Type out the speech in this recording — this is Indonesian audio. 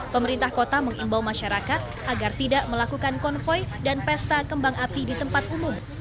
pemerintah kota mengimbau masyarakat agar tidak melakukan konvoy dan pesta kembang api di tempat umum